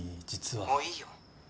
もういいよ。